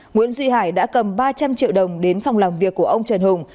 nguyễn duy hải đã cầm ba trăm linh triệu đồng đến phòng làm việc của ông trần hùng